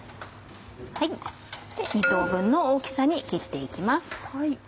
２等分の大きさに切って行きます。